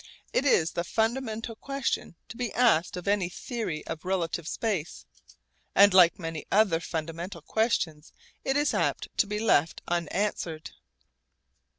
It is the fundamental question to be asked of any theory of relative space, and like many other fundamental questions it is apt to be left unanswered.